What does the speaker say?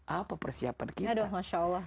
apa persiapan kita